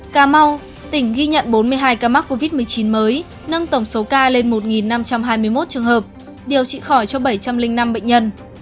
cà mau tỉnh ghi nhận bốn mươi hai ca mắc covid một mươi chín mới nâng tổng số ca lên một năm trăm hai mươi một trường hợp điều trị khỏi cho bảy trăm linh năm bệnh nhân